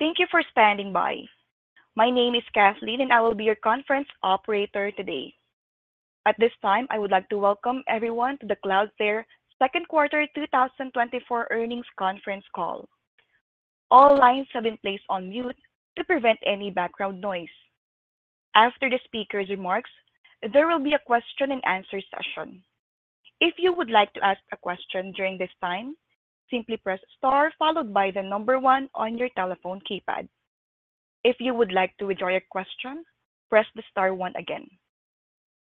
Thank you for standing by. My name is Kathleen, and I will be your conference operator today. At this time, I would like to welcome everyone to the Cloudflare Second Quarter 2024 Earnings Conference Call. All lines have been placed on mute to prevent any background noise. After the speaker's remarks, there will be a question-and-answer session. If you would like to ask a question during this time, simply press star followed by the number one on your telephone keypad. If you would like to withdraw your question, press the star one again.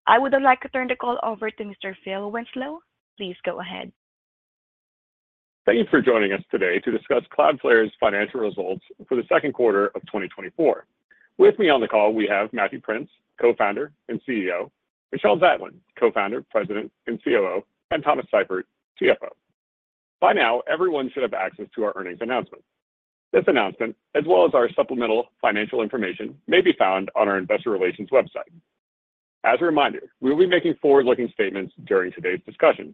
I would like to turn the call over to Mr. Phil Winslow. Please go ahead. Thank you for joining us today to discuss Cloudflare's financial results for the second quarter of 2024. With me on the call, we have Matthew Prince, Co-founder and CEO, Michelle Zatlyn, Co-founder, President and COO, and Thomas Seifert, CFO. By now, everyone should have access to our earnings announcement. This announcement, as well as our supplemental financial information, may be found on our Investor Relations website. As a reminder, we will be making forward-looking statements during today's discussion,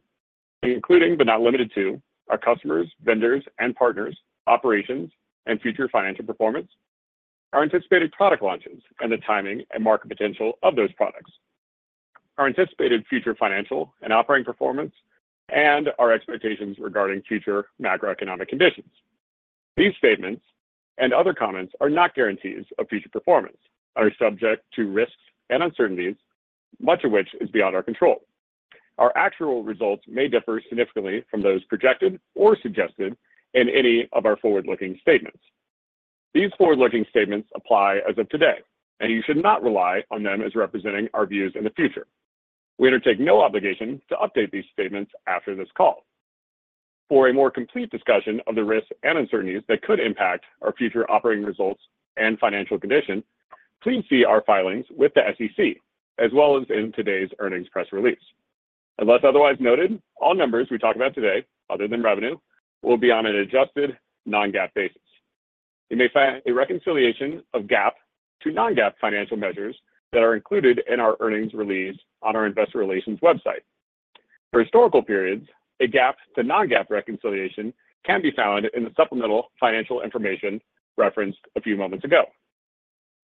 including but not limited to our customers, vendors and partners, operations and future financial performance, our anticipated product launches, and the timing and market potential of those products, our anticipated future financial and operating performance, and our expectations regarding future macroeconomic conditions. These statements and other comments are not guarantees of future performance. They are subject to risks and uncertainties, much of which is beyond our control. Our actual results may differ significantly from those projected or suggested in any of our forward-looking statements. These forward-looking statements apply as of today, and you should not rely on them as representing our views in the future. We undertake no obligation to update these statements after this call. For a more complete discussion of the risks and uncertainties that could impact our future operating results and financial condition, please see our filings with the SEC, as well as in today's earnings press release. Unless otherwise noted, all numbers we talk about today, other than revenue, will be on an adjusted non-GAAP basis. You may find a reconciliation of GAAP to non-GAAP financial measures that are included in our earnings release on our Investor Relations website. For historical periods, a GAAP to non-GAAP reconciliation can be found in the supplemental financial information referenced a few moments ago.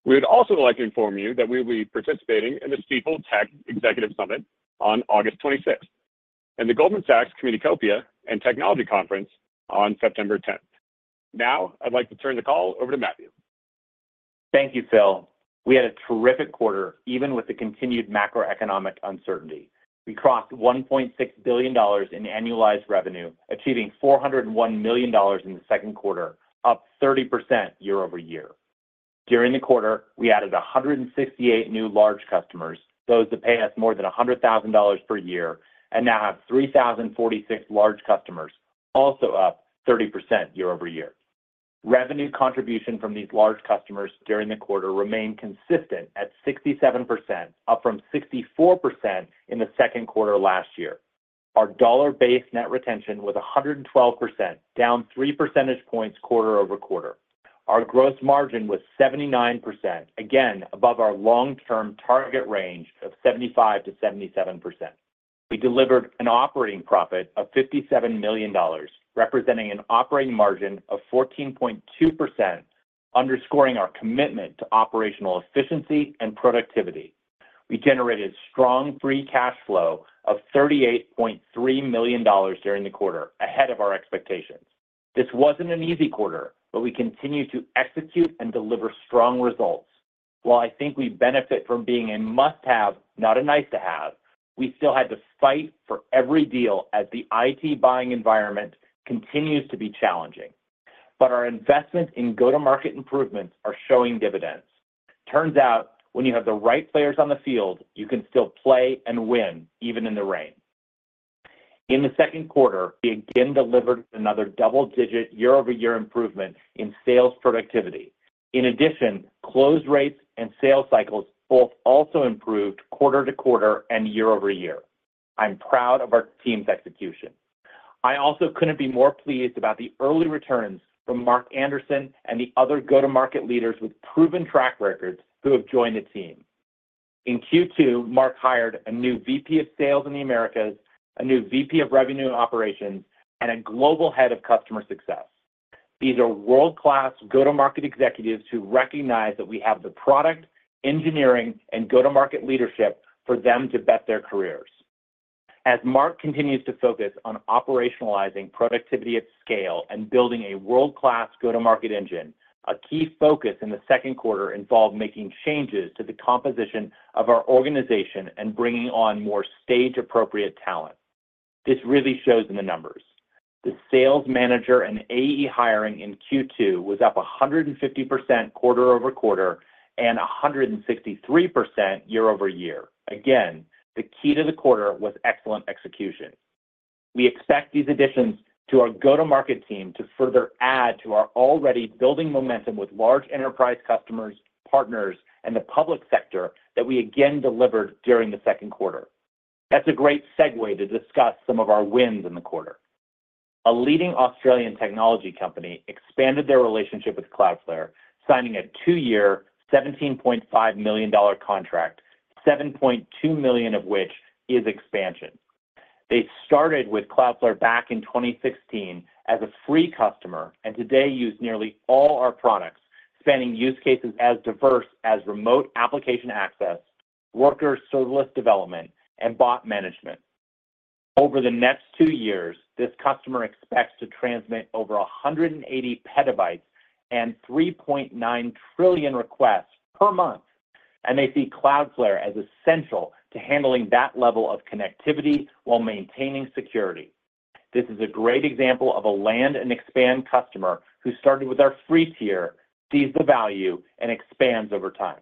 We would also like to inform you that we will be participating in the Stifel Tech Executive Summit on August 26th and the Goldman Sachs Communicopia and Technology Conference on September 10th. Now, I'd like to turn the call over to Matthew. Thank you, Phil. We had a terrific quarter, even with the continued macroeconomic uncertainty. We crossed $1.6 billion in annualized revenue, achieving $401 million in the second quarter, up 30% year-over-year. During the quarter, we added 168 new large customers, those that pay us more than $100,000 per year, and now have 3,046 large customers, also up 30% year-over-year. Revenue contribution from these large customers during the quarter remained consistent at 67%, up from 64% in the second quarter last year. Our dollar-based net retention was 112%, down 3 percentage points quarter-over-quarter. Our gross margin was 79%, again above our long-term target range of 75%-77%. We delivered an operating profit of $57 million, representing an operating margin of 14.2%, underscoring our commitment to operational efficiency and productivity. We generated strong free cash flow of $38.3 million during the quarter, ahead of our expectations. This wasn't an easy quarter, but we continue to execute and deliver strong results. While I think we benefit from being a must-have, not a nice-to-have, we still had to fight for every deal as the IT buying environment continues to be challenging. But our investments in go-to-market improvements are showing dividends. Turns out, when you have the right players on the field, you can still play and win, even in the rain. In the second quarter, we again delivered another double-digit year-over-year improvement in sales productivity. In addition, close rates and sales cycles both also improved quarter to quarter and year-over-year. I'm proud of our team's execution. I also couldn't be more pleased about the early returns from Mark Anderson and the other go-to-market leaders with proven track records who have joined the team. In Q2, Mark hired a new VP of Sales in the Americas, a new VP of Revenue and Operations, and a Global Head of Customer Success. These are world-class go-to-market executives who recognize that we have the product, engineering, and go-to-market leadership for them to bet their careers. As Mark continues to focus on operationalizing productivity at scale and building a world-class go-to-market engine, a key focus in the second quarter involved making changes to the composition of our organization and bringing on more stage-appropriate talent. This really shows in the numbers. The sales manager and AE hiring in Q2 was up 150% quarter-over-quarter and 163% year-over-year. Again, the key to the quarter was excellent execution. We expect these additions to our go-to-market team to further add to our already building momentum with large enterprise customers, partners, and the public sector that we again delivered during the second quarter. That's a great segue to discuss some of our wins in the quarter. A leading Australian technology company expanded their relationship with Cloudflare, signing a two-year, $17.5 million contract, $7.2 million of which is expansion. They started with Cloudflare back in 2016 as a free customer and today use nearly all our products, spanning use cases as diverse as remote application access, Workers serverless development, and bot management. Over the next two years, this customer expects to transmit over 180 petabytes and 3.9 trillion requests per month, and they see Cloudflare as essential to handling that level of connectivity while maintaining security. This is a great example of a land-and-expand customer who started with our free tier, sees the value, and expands over time.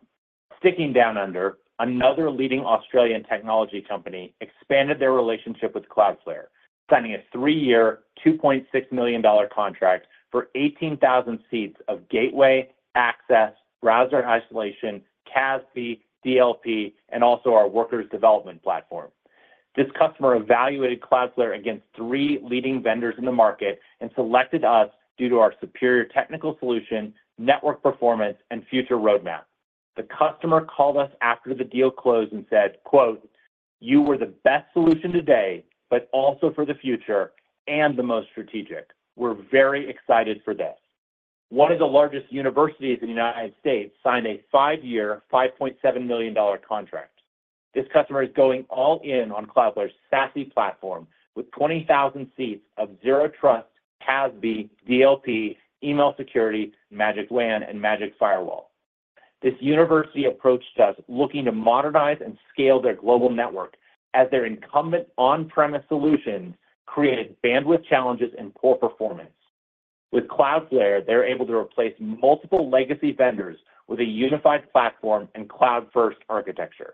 Sticking down under, another leading Australian technology company expanded their relationship with Cloudflare, signing a three-year, $2.6 million contract for 18,000 seats of Gateway, Access, Browser Isolation, CASB, DLP, and also our Workers development platform. This customer evaluated Cloudflare against three leading vendors in the market and selected us due to our superior technical solution, network performance, and future roadmap. The customer called us after the deal closed and said, "You were the best solution today, but also for the future, and the most strategic. We're very excited for this." One of the largest universities in the United States signed a five-year, $5.7 million contract. This customer is going all in on Cloudflare's SASE platform with 20,000 seats of Zero Trust, CASB, DLP, Email Security, Magic WAN, and Magic Firewall. This university approached us looking to modernize and scale their global network, as their incumbent on-premise solutions created bandwidth challenges and poor performance. With Cloudflare, they're able to replace multiple legacy vendors with a unified platform and cloud-first architecture.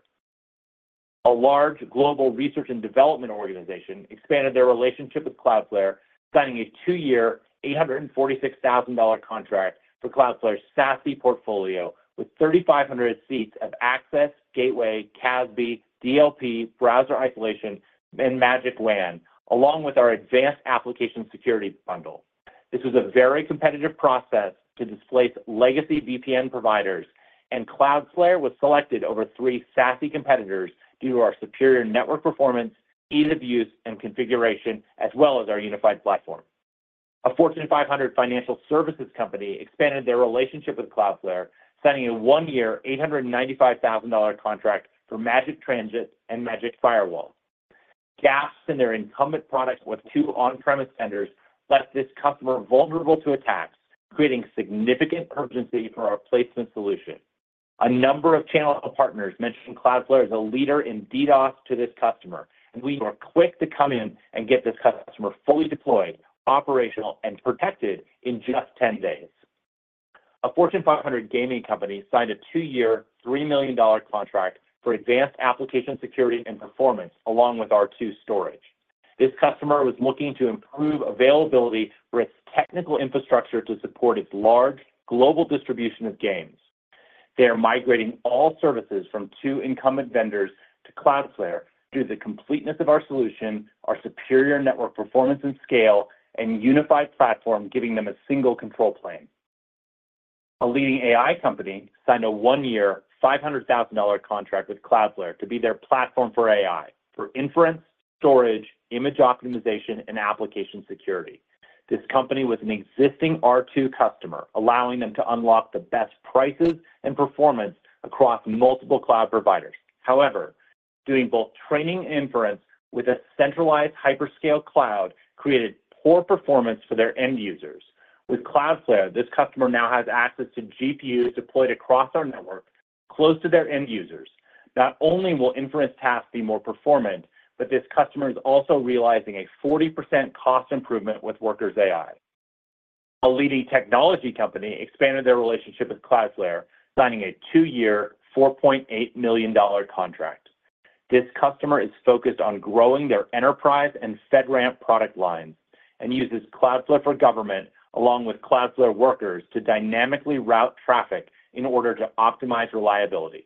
A large global research and development organization expanded their relationship with Cloudflare, signing a two-year, $846,000 contract for Cloudflare's SASE portfolio with 3,500 seats of Access, Gateway, CASB, DLP, Browser Isolation, and Magic WAN, along with our advanced application security bundle. This was a very competitive process to displace legacy VPN providers, and Cloudflare was selected over three SASE competitors due to our superior network performance, ease of use, and configuration, as well as our unified platform. A Fortune 500 financial services company expanded their relationship with Cloudflare, signing a 1-year, $895,000 contract for Magic Transit and Magic Firewall. Gaps and their incumbent products with two on-premise vendors left this customer vulnerable to attacks, creating significant urgency for our replacement solution. A number of channel partners mentioned Cloudflare as a leader in DDoS to this customer, and we were quick to come in and get this customer fully deployed, operational, and protected in just 10 days. A Fortune 500 gaming company signed a 2-year, $3 million contract for advanced application security and performance, along with R2 storage. This customer was looking to improve availability for its technical infrastructure to support its large global distribution of games. They are migrating all services from two incumbent vendors to Cloudflare due to the completeness of our solution, our superior network performance and scale, and unified platform giving them a single control plane. A leading AI company signed a 1-year, $500,000 contract with Cloudflare to be their platform for AI for inference, storage, image optimization, and application security. This company was an existing R2 customer, allowing them to unlock the best prices and performance across multiple cloud providers. However, doing both training and inference with a centralized hyperscale cloud created poor performance for their end users. With Cloudflare, this customer now has access to GPUs deployed across our network, close to their end users. Not only will inference tasks be more performant, but this customer is also realizing a 40% cost improvement with Workers AI. A leading technology company expanded their relationship with Cloudflare, signing a 2-year, $4.8 million contract. This customer is focused on growing their enterprise and FedRAMP product lines and uses Cloudflare for government, along with Cloudflare Workers, to dynamically route traffic in order to optimize reliability.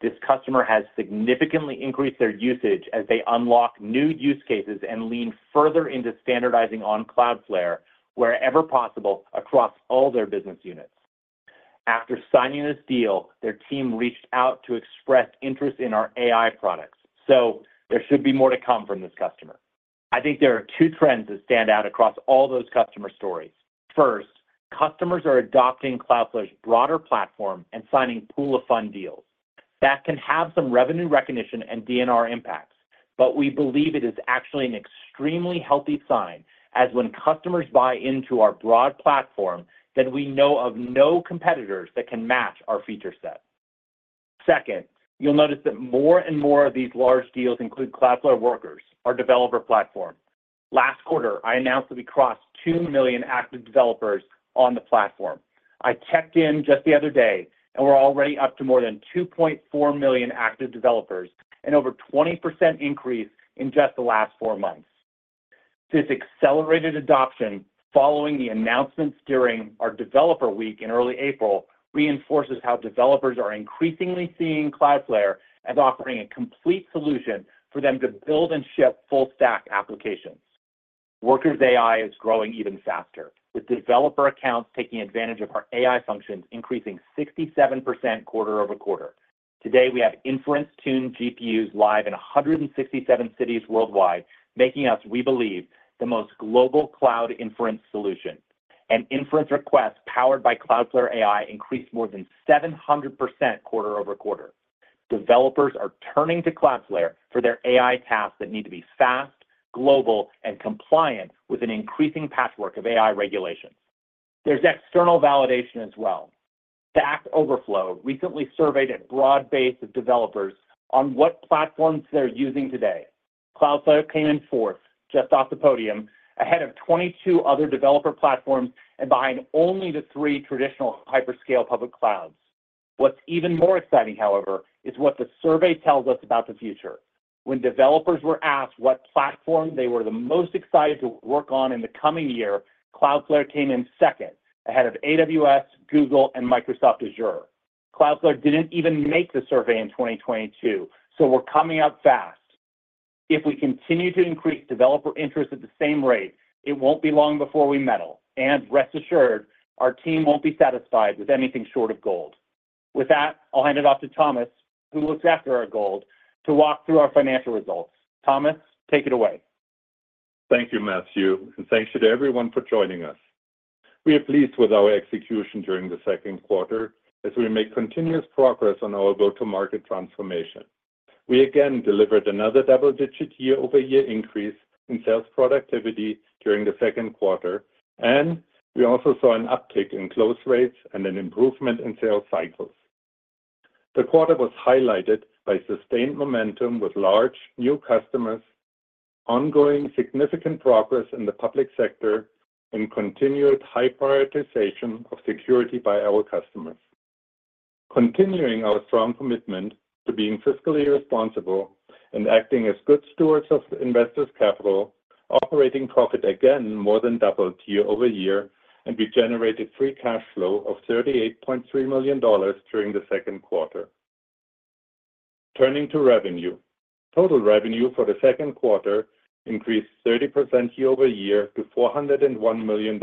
This customer has significantly increased their usage as they unlock new use cases and lean further into standardizing on Cloudflare wherever possible across all their business units. After signing this deal, their team reached out to express interest in our AI products. So there should be more to come from this customer. I think there are two trends that stand out across all those customer stories. First, customers are adopting Cloudflare's broader platform and signing pool-of-funds deals. That can have some revenue recognition and DNR impacts, but we believe it is actually an extremely healthy sign, as when customers buy into our broad platform, then we know of no competitors that can match our feature set. Second, you'll notice that more and more of these large deals include Cloudflare Workers, our developer platform. Last quarter, I announced that we crossed 2 million active developers on the platform. I checked in just the other day, and we're already up to more than 2.4 million active developers and over a 20% increase in just the last four months. This accelerated adoption following the announcements during our Developer Week in early April reinforces how developers are increasingly seeing Cloudflare as offering a complete solution for them to build and ship full-stack applications. Workers AI is growing even faster, with developer accounts taking advantage of our AI functions increasing 67% quarter-over-quarter. Today, we have inference-tuned GPUs live in 167 cities worldwide, making us, we believe, the most global cloud inference solution. And inference requests powered by Cloudflare AI increased more than 700% quarter-over-quarter. Developers are turning to Cloudflare for their AI tasks that need to be fast, global, and compliant with an increasing patchwork of AI regulations. There's external validation as well. Stack Overflow recently surveyed a broad base of developers on what platforms they're using today. Cloudflare came in fourth, just off the podium, ahead of 22 other developer platforms and behind only the three traditional hyperscale public clouds. What's even more exciting, however, is what the survey tells us about the future. When developers were asked what platform they were the most excited to work on in the coming year, Cloudflare came in second, ahead of AWS, Google, and Microsoft Azure. Cloudflare didn't even make the survey in 2022, so we're coming up fast. If we continue to increase developer interest at the same rate, it won't be long before we medal. Rest assured, our team won't be satisfied with anything short of gold. With that, I'll hand it off to Thomas, who looks after our gold, to walk through our financial results. Thomas, take it away. Thank you, Matthew, and thank you to everyone for joining us. We are pleased with our execution during the second quarter as we make continuous progress on our go-to-market transformation. We again delivered another double-digit year-over-year increase in sales productivity during the second quarter, and we also saw an uptick in close rates and an improvement in sales cycles. The quarter was highlighted by sustained momentum with large new customers, ongoing significant progress in the public sector, and continued high prioritization of security by our customers. Continuing our strong commitment to being fiscally responsible and acting as good stewards of investors' capital, operating profit again more than doubled year-over-year, and we generated free cash flow of $38.3 million during the second quarter. Turning to revenue, total revenue for the second quarter increased 30% year-over-year to $401 million.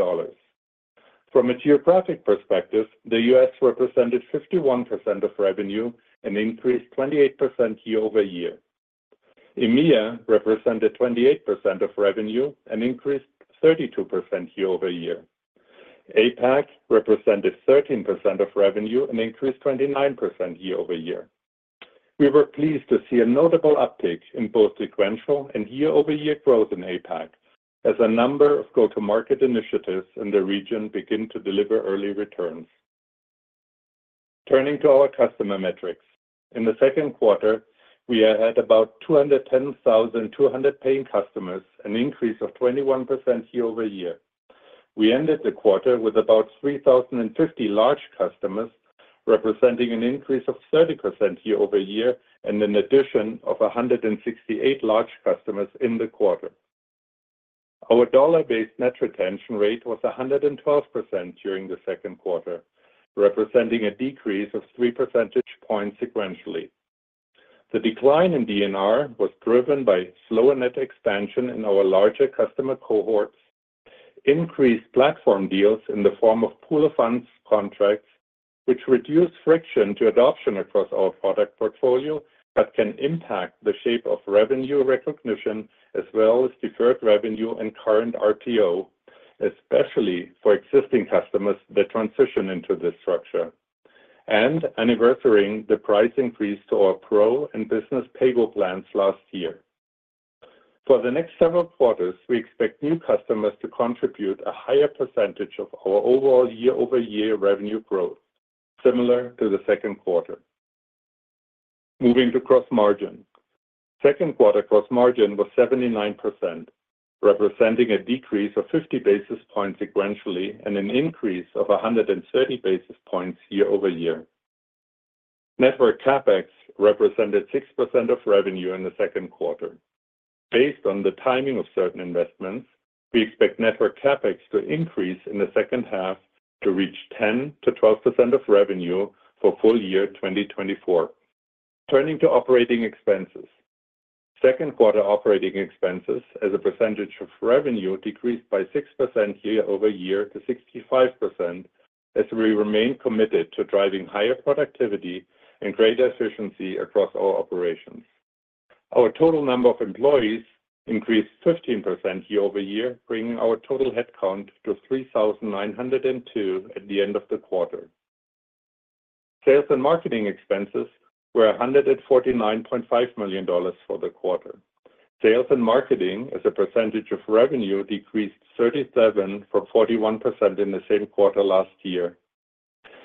From a geographic perspective, the U.S. represented 51% of revenue and increased 28% year-over-year. EMEA represented 28% of revenue and increased 32% year-over-year. APAC represented 13% of revenue and increased 29% year-over-year. We were pleased to see a notable uptick in both sequential and year-over-year growth in APAC as a number of go-to-market initiatives in the region begin to deliver early returns. Turning to our customer metrics, in the second quarter, we had about 210,200 paying customers, an increase of 21% year-over-year. We ended the quarter with about 3,050 large customers, representing an increase of 30% year-over-year and an addition of 168 large customers in the quarter. Our dollar-based net retention rate was 112% during the second quarter, representing a decrease of 3 percentage points sequentially. The decline in DNR was driven by slower net expansion in our larger customer cohorts, increased platform deals in the form of pool-of-funds contracts, which reduced friction to adoption across our product portfolio, but can impact the shape of revenue recognition as well as deferred revenue and current RPO, especially for existing customers that transition into this structure. And anniversarying the price increase to our Pro and Business pay-go plans last year. For the next several quarters, we expect new customers to contribute a higher percentage of our overall year-over-year revenue growth, similar to the second quarter. Moving to gross margin, second quarter gross margin was 79%, representing a decrease of 50 basis points sequentially and an increase of 130 basis points year-over-year. Network CapEx represented 6% of revenue in the second quarter. Based on the timing of certain investments, we expect network CapEx to increase in the second half to reach 10%-12% of revenue for full year 2024. Turning to operating expenses, second quarter operating expenses as a percentage of revenue decreased by 6% year-over-year to 65% as we remain committed to driving higher productivity and greater efficiency across our operations. Our total number of employees increased 15% year-over-year, bringing our total headcount to 3,902 at the end of the quarter. Sales and marketing expenses were $149.5 million for the quarter. Sales and marketing, as a percentage of revenue, decreased 37% from 41% in the same quarter last year.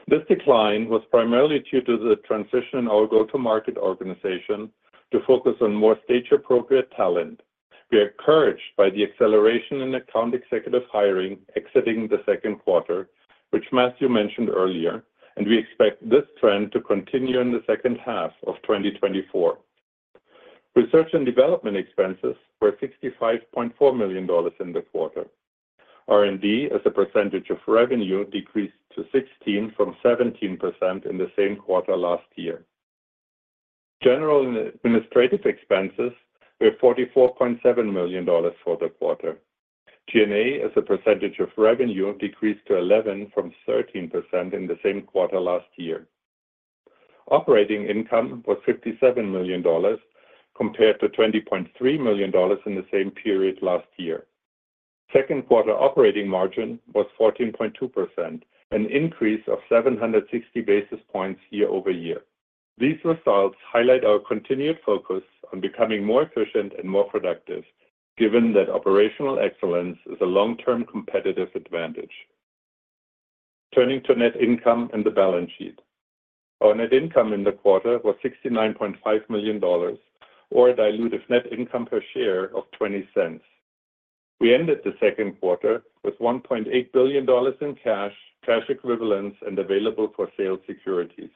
This decline was primarily due to the transition in our go-to-market organization to focus on more stage-appropriate talent. We are encouraged by the acceleration in account executive hiring exiting the second quarter, which Matthew mentioned earlier, and we expect this trend to continue in the second half of 2024. Research and development expenses were $65.4 million in the quarter. R&D, as a percentage of revenue, decreased to 16% from 17% in the same quarter last year. General and administrative expenses were $44.7 million for the quarter. G&A, as a percentage of revenue, decreased to 11% from 13% in the same quarter last year. Operating income was $57 million compared to $20.3 million in the same period last year. Second quarter operating margin was 14.2%, an increase of 760 basis points year-over-year. These results highlight our continued focus on becoming more efficient and more productive, given that operational excellence is a long-term competitive advantage. Turning to net income and the balance sheet, our net income in the quarter was $69.5 million, or a dilutive net income per share of $0.20. We ended the second quarter with $1.8 billion in cash, cash equivalents, and available-for-sale securities.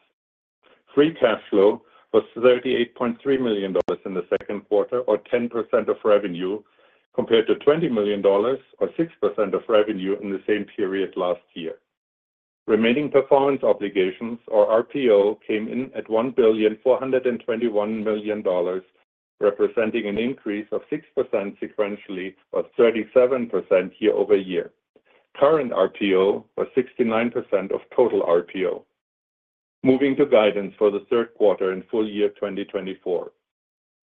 Free cash flow was $38.3 million in the second quarter, or 10% of revenue, compared to $20 million, or 6% of revenue in the same period last year. Remaining performance obligations, or RPO, came in at $1,421 million, representing an increase of 6% sequentially but 37% year-over-year. Current RPO was 69% of total RPO. Moving to guidance for the third quarter and full year 2024,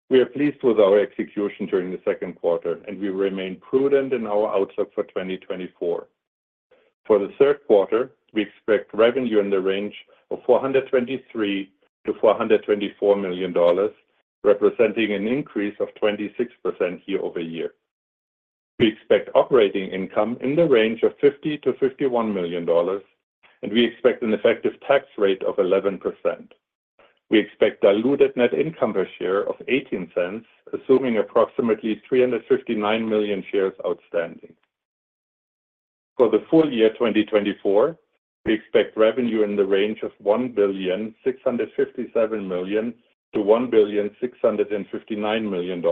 we are pleased with our execution during the second quarter, and we remain prudent in our outlook for 2024. For the third quarter, we expect revenue in the range of $423 million-$424 million, representing an increase of 26% year-over-year. We expect operating income in the range of $50 million-$51 million, and we expect an effective tax rate of 11%. We expect diluted net income per share of $0.18, assuming approximately 359 million shares outstanding. For the full year 2024, we expect revenue in the range of $1,657 million-$1,659 million,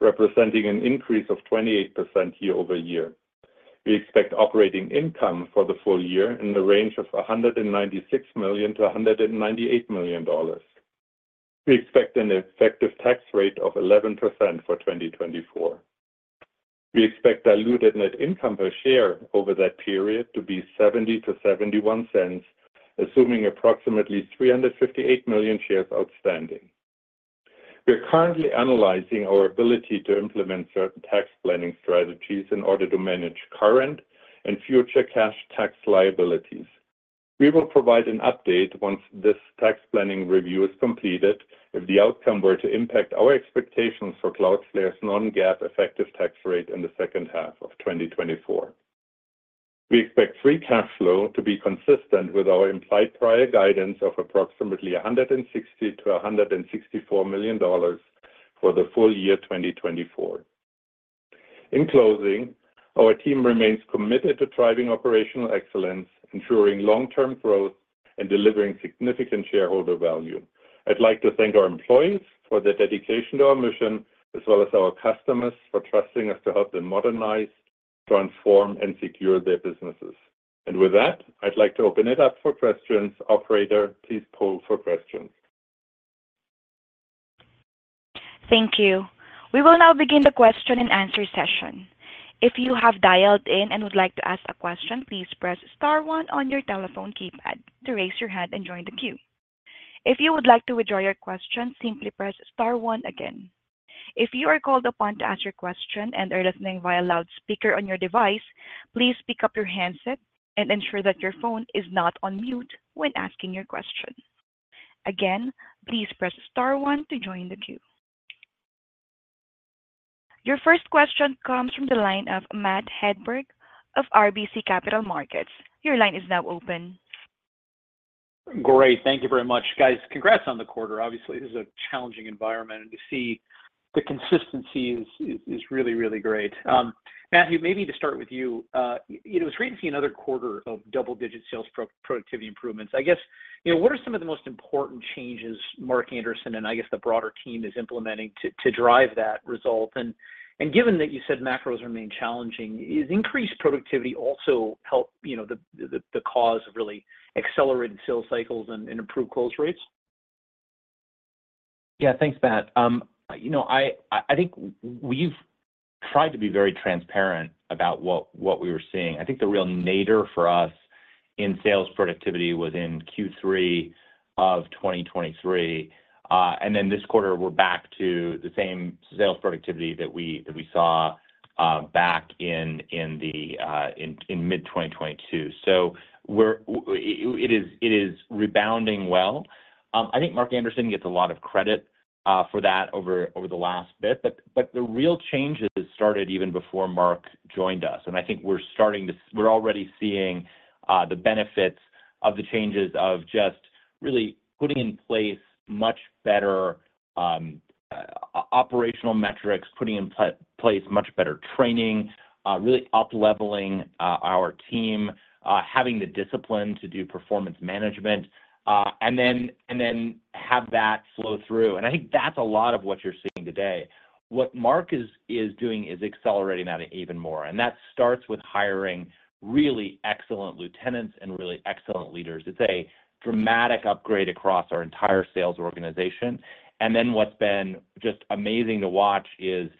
representing an increase of 28% year-over-year. We expect operating income for the full year in the range of $196 million-$198 million. We expect an effective tax rate of 11% for 2024. We expect diluted net income per share over that period to be $0.70-$0.71, assuming approximately 358 million shares outstanding. We are currently analyzing our ability to implement certain tax planning strategies in order to manage current and future cash tax liabilities. We will provide an update once this tax planning review is completed if the outcome were to impact our expectations for Cloudflare's non-GAAP effective tax rate in the second half of 2024. We expect free cash flow to be consistent with our implied prior guidance of approximately $160 million-$164 million for the full year 2024. In closing, our team remains committed to driving operational excellence, ensuring long-term growth, and delivering significant shareholder value. I'd like to thank our employees for their dedication to our mission, as well as our customers for trusting us to help them modernize, transform, and secure their businesses. And with that, I'd like to open it up for questions. Operator, please poll for questions. Thank you. We will now begin the question and answer session. If you have dialed in and would like to ask a question, please press star one on your telephone keypad to raise your hand and join the queue. If you would like to withdraw your question, simply press star one again. If you are called upon to ask your question and are listening via loudspeaker on your device, please pick up your handset and ensure that your phone is not on mute when asking your question. Again, please press star one to join the queue. Your first question comes from the line of Matt Hedberg of RBC Capital Markets. Your line is now open. Great. Thank you very much. Guys, congrats on the quarter. Obviously, this is a challenging environment, and to see the consistency is really, really great. Matthew, maybe to start with you, it was great to see another quarter of double-digit sales productivity improvements. I guess, what are some of the most important changes Mark Anderson and I guess the broader team is implementing to drive that result? And given that you said macros remain challenging, has increased productivity also helped the cause of really accelerating sales cycles and improved close rates? Yeah, thanks, Matt. I think we've tried to be very transparent about what we were seeing. I think the real nadir for us in sales productivity was in Q3 of 2023. And then this quarter, we're back to the same sales productivity that we saw back in mid-2022. So it is rebounding well. I think Mark Anderson gets a lot of credit for that over the last bit. But the real changes started even before Mark joined us. And I think we're starting to—we're already seeing the benefits of the changes of just really putting in place much better operational metrics, putting in place much better training, really up-leveling our team, having the discipline to do performance management, and then have that flow through. And I think that's a lot of what you're seeing today. What Mark is doing is accelerating that even more. And that starts with hiring really excellent lieutenants and really excellent leaders. It's a dramatic upgrade across our entire sales organization. And then what's been just amazing to watch is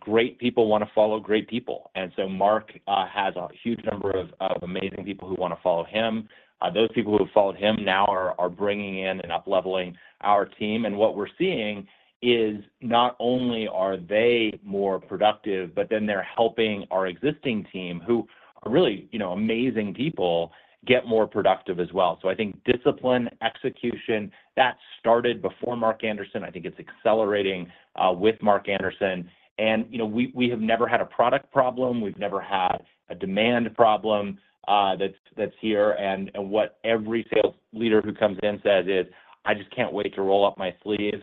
great people want to follow great people. And so Mark has a huge number of amazing people who want to follow him. Those people who have followed him now are bringing in and up-leveling our team. And what we're seeing is not only are they more productive, but then they're helping our existing team, who are really amazing people, get more productive as well. So I think discipline, execution, that started before Mark Anderson. I think it's accelerating with Mark Anderson. And we have never had a product problem. We've never had a demand problem that's here. And what every sales leader who comes in says is, "I just can't wait to roll up my sleeves,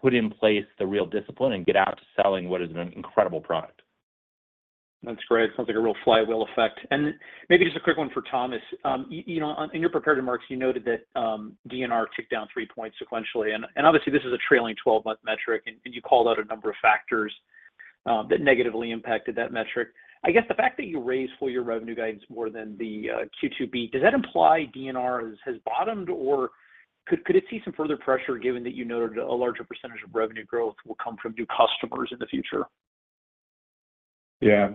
put in place the real discipline, and get out to selling what is an incredible product." That's great. Sounds like a real flywheel effect. And maybe just a quick one for Thomas. In your prepared remarks, you noted that DNR ticked down three points sequentially. And obviously, this is a trailing 12-month metric, and you called out a number of factors that negatively impacted that metric. I guess the fact that you raised full year revenue guidance more than the Q2 beat, does that imply DNR has bottomed? Or could it see some further pressure given that you noted a larger percentage of revenue growth will come from new customers in the future? Yeah.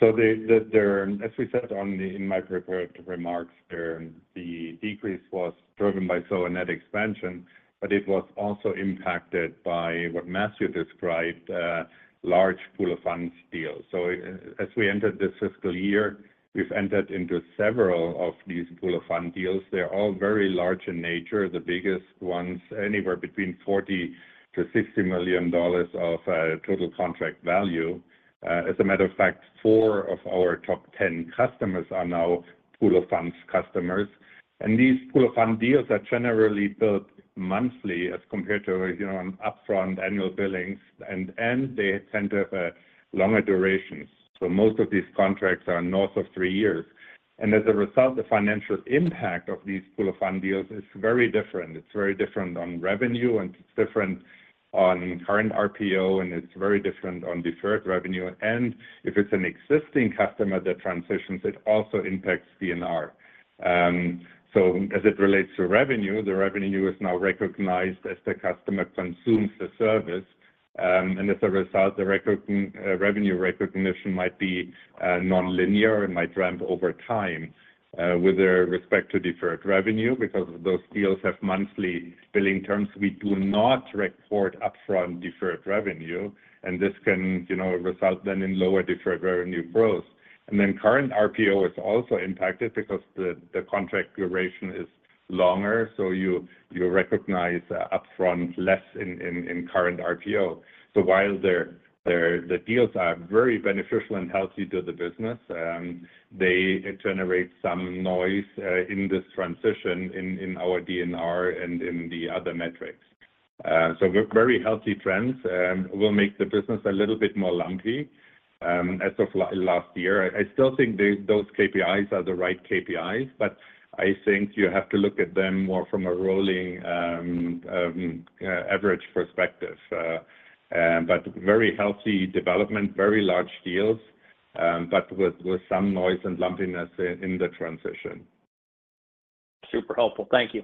So as we said in my prepared remarks, the decrease was driven by churn and net expansion, but it was also impacted by what Matthew described, large pool-of-funds deals. So as we entered this fiscal year, we've entered into several of these pool-of-funds deals. They're all very large in nature. The biggest ones, anywhere between $40 million-$60 million of total contract value. As a matter of fact, 4 of our top 10 customers are now pool-of-funds customers. And these pool-of-funds deals are generally billed monthly as compared to upfront annual billings, and they tend to have longer durations. So most of these contracts are north of three years. And as a result, the financial impact of these pool-of-funds deals is very different. It's very different on revenue, and it's different on current RPO, and it's very different on deferred revenue. And if it's an existing customer that transitions, it also impacts DNR. So as it relates to revenue, the revenue is now recognized as the customer consumes the service. And as a result, the revenue recognition might be non-linear and might ramp over time. With respect to deferred revenue, because those deals have monthly billing terms, we do not report upfront deferred revenue, and this can result then in lower deferred revenue growth. And then current RPO is also impacted because the contract duration is longer, so you recognize upfront less in current RPO. So while the deals are very beneficial and healthy to the business, they generate some noise in this transition in our DNR and in the other metrics. So very healthy trends will make the business a little bit more lumpy as of last year. I still think those KPIs are the right KPIs, but I think you have to look at them more from a rolling average perspective. But very healthy development, very large deals, but with some noise and lumpiness in the transition. Super helpful. Thank you.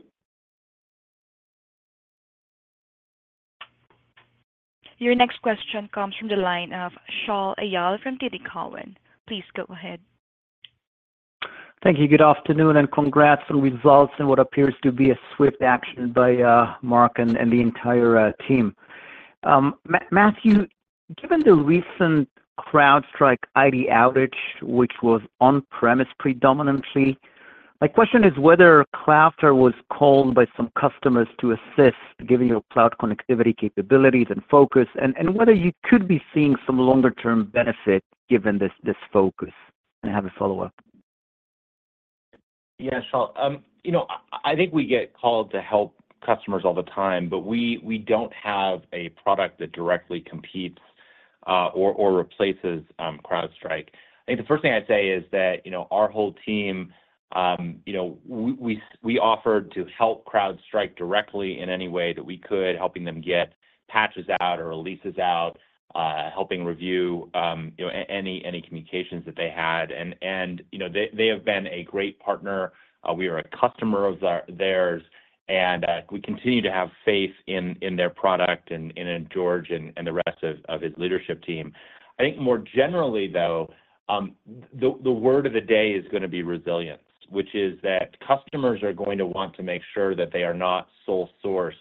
Your next question comes from the line of Shaul Eyal from TD Cowen. Please go ahead. Thank you. Good afternoon, and congrats on results and what appears to be a swift action by Mark and the entire team. Matthew, given the recent CrowdStrike IT outage, which was on-premise predominantly, my question is whether Cloudflare was called by some customers to assist giving you cloud connectivity capabilities and focus, and whether you could be seeing some longer-term benefit given this focus. And I have a follow-up. Yeah, Shaul. I think we get called to help customers all the time, but we don't have a product that directly competes or replaces CrowdStrike. I think the first thing I'd say is that our whole team, we offered to help CrowdStrike directly in any way that we could, helping them get patches out or releases out, helping review any communications that they had. And they have been a great partner. We are a customer of theirs, and we continue to have faith in their product and in George and the rest of his leadership team. I think more generally, though, the word of the day is going to be resilience, which is that customers are going to want to make sure that they are not sole sourced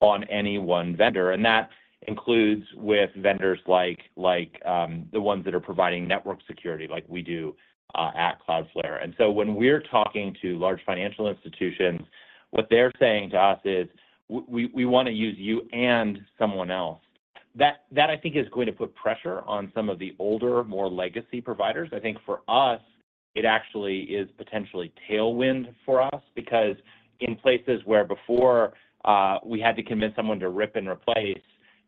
on any one vendor. And that includes with vendors like the ones that are providing network security like we do at Cloudflare. And so when we're talking to large financial institutions, what they're saying to us is, "We want to use you and someone else." That, I think, is going to put pressure on some of the older, more legacy providers. I think for us, it actually is potentially tailwind for us because in places where before we had to convince someone to rip and replace,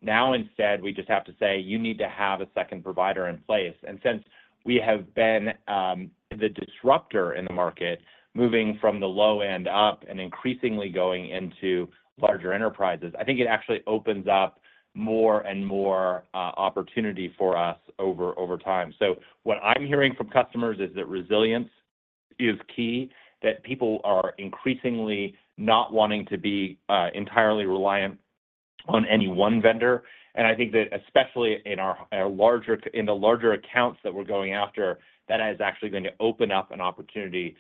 now instead we just have to say, "You need to have a second provider in place." And since we have been the disruptor in the market, moving from the low end up and increasingly going into larger enterprises, I think it actually opens up more and more opportunity for us over time. So what I'm hearing from customers is that resilience is key, that people are increasingly not wanting to be entirely reliant on any one vendor. And I think that especially in the larger accounts that we're going after, that is actually going to open up an opportunity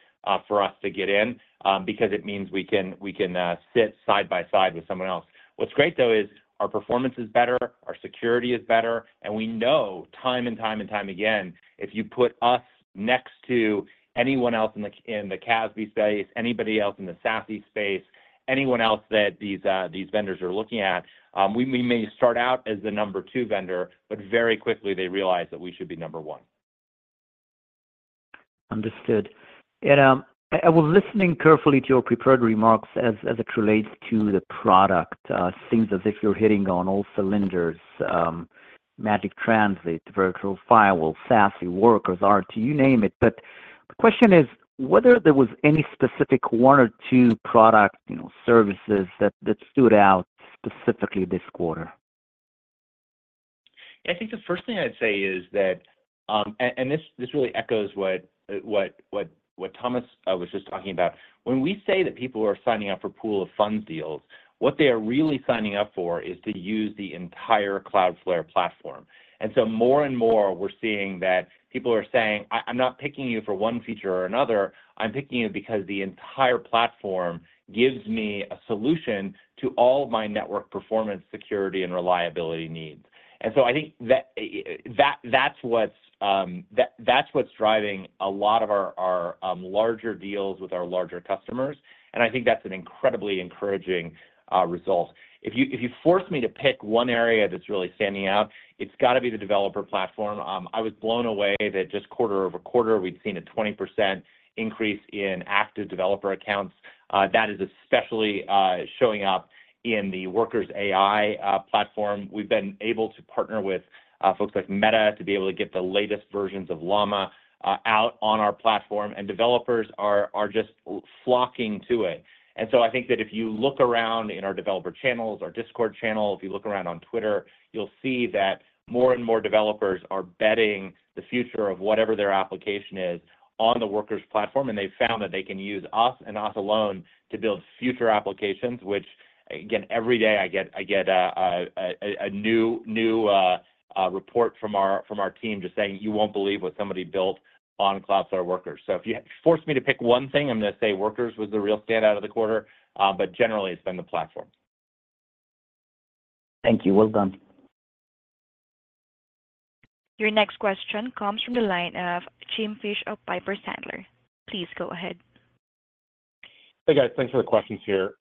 for us to get in because it means we can sit side by side with someone else. What's great, though, is our performance is better, our security is better, and we know time and time and time again, if you put us next to anyone else in the CASB space, anybody else in the SASE space, anyone else that these vendors are looking at, we may start out as the number two vendor, but very quickly they realize that we should be number one. Understood. I was listening carefully to your prepared remarks as it relates to the product. Seems as if you're hitting on all cylinders: Magic Transit, Magic Firewall, SASE, Workers, R2, you name it. But the question is, whether there was any specific one or two product services that stood out specifically this quarter. Yeah, I think the first thing I'd say is that, and this really echoes what Thomas was just talking about, when we say that people are signing up for pool-of-funds deals, what they are really signing up for is to use the entire Cloudflare platform. And so more and more, we're seeing that people are saying, "I'm not picking you for one feature or another. I'm picking you because the entire platform gives me a solution to all of my network performance, security, and reliability needs." And so I think that's what's driving a lot of our larger deals with our larger customers. And I think that's an incredibly encouraging result. If you force me to pick one area that's really standing out, it's got to be the developer platform. I was blown away that just quarter-over-quarter, we'd seen a 20% increase in active developer accounts. That is especially showing up in the Workers AI platform. We've been able to partner with folks like Meta to be able to get the latest versions of Llama out on our platform, and developers are just flocking to it. And so I think that if you look around in our developer channels, our Discord channel, if you look around on Twitter, you'll see that more and more developers are betting the future of whatever their application is on the Workers platform. And they've found that they can use us and us alone to build future applications, which, again, every day I get a new report from our team just saying, "You won't believe what somebody built on Cloudflare Workers." So if you forced me to pick one thing, I'm going to say Workers was the real standout of the quarter, but generally, it's been the platform. Thank you. Well done. Your next question comes from the line of Jim Fish of Piper Sandler. Please go ahead. Hey, guys. Thanks for the questions here.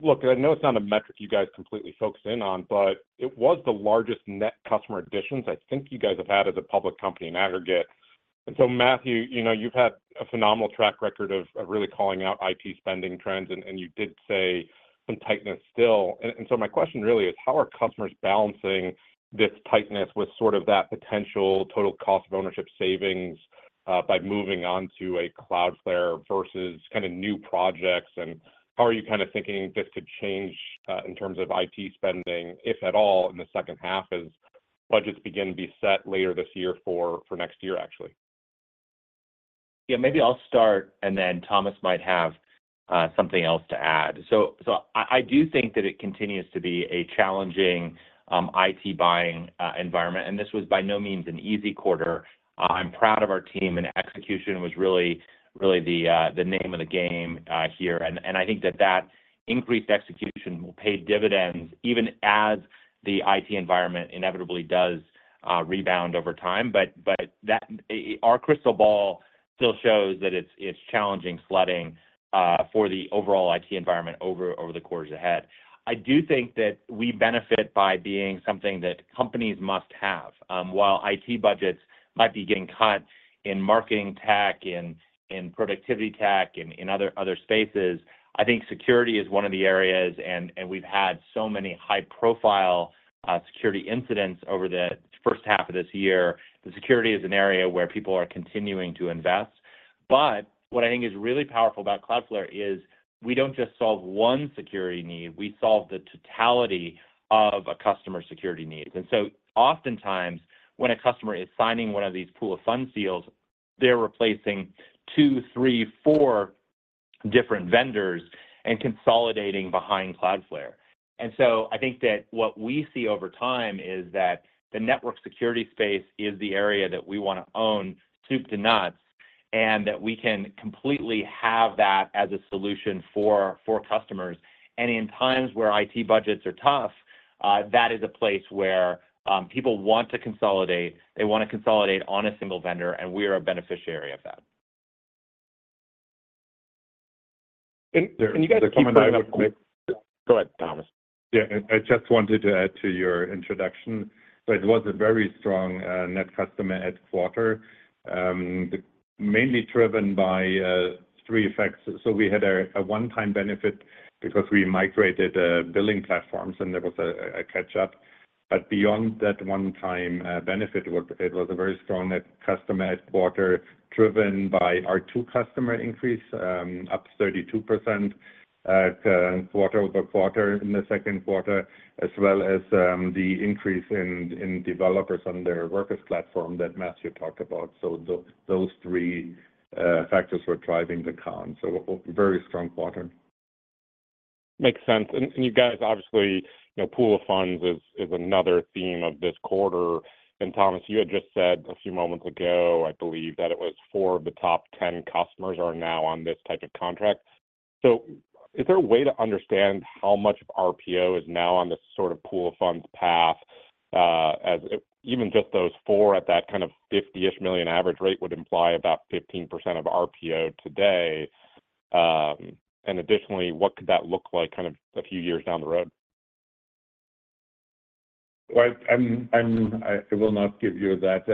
Look, I know it's not a metric you guys completely focus in on, but it was the largest net customer additions I think you guys have had as a public company in aggregate. And so Matthew, you've had a phenomenal track record of really calling out IT spending trends, and you did say some tightness still. And so my question really is, how are customers balancing this tightness with sort of that potential total cost of ownership savings by moving on to a Cloudflare versus kind of new projects? And how are you kind of thinking this could change in terms of IT spending, if at all, in the second half as budgets begin to be set later this year for next year, actually? Yeah, maybe I'll start, and then Thomas might have something else to add. So I do think that it continues to be a challenging IT buying environment. And this was by no means an easy quarter. I'm proud of our team, and execution was really the name of the game here. And I think that that increased execution will pay dividends even as the IT environment inevitably does rebound over time. But our crystal ball still shows that it's challenging sledding for the overall IT environment over the quarters ahead. I do think that we benefit by being something that companies must have. While IT budgets might be getting cut in marketing tech, in productivity tech, in other spaces, I think security is one of the areas. And we've had so many high-profile security incidents over the first half of this year. The security is an area where people are continuing to invest. But what I think is really powerful about Cloudflare is we don't just solve one security need. We solve the totality of a customer's security needs. And so oftentimes, when a customer is signing one of these pool-of-funds deals, they're replacing two, three, four different vendors and consolidating behind Cloudflare. And so I think that what we see over time is that the network security space is the area that we want to own soup to nuts and that we can completely have that as a solution for customers. And in times where IT budgets are tough, that is a place where people want to consolidate. They want to consolidate on a single vendor, and we are a beneficiary of that. And you guys are coming back with. Go ahead, Thomas. Yeah, I just wanted to add to your introduction that it was a very strong net customer add quarter, mainly driven by 3 effects. So we had a one-time benefit because we migrated billing platforms, and there was a catch-up. But beyond that one-time benefit, it was a very strong net customer add quarter, driven by our two-customer increase, up 32% quarter-over-quarter in the second quarter, as well as the increase in developers on their Workers platform that Matthew talked about. So those 3 factors were driving the count. So very strong quarter. Makes sense. And you guys, obviously, pool-of-funds is another theme of this quarter. And Thomas, you had just said a few moments ago, I believe, that it was 4 of the top 10 customers are now on this type of contract. So is there a way to understand how much of RPO is now on this sort of pool-of-funds path? Even just those four at that kind of $50-ish million average rate would imply about 15% of RPO today. And additionally, what could that look like kind of a few years down the road? Well, I will not give you that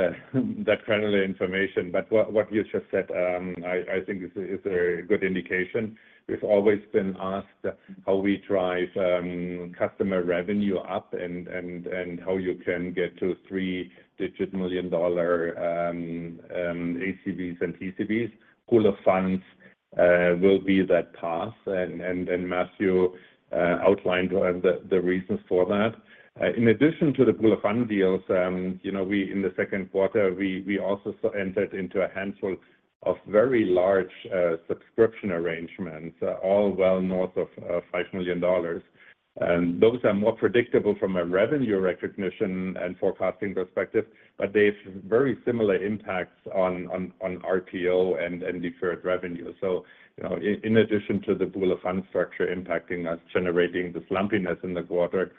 friendly information, but what you just said, I think, is a good indication. We've always been asked how we drive customer revenue up and how you can get to three-digit million-dollar ACVs and TCVs. Pool-of-funds will be that path. And Matthew outlined the reasons for that. In addition to the pool-of-funds deals, in the second quarter, we also entered into a handful of very large subscription arrangements, all well north of $5 million. Those are more predictable from a revenue recognition and forecasting perspective, but they have very similar impacts on RPO and deferred revenue. In addition to the pool-of-funds structure impacting us, generating this lumpiness in the quarter,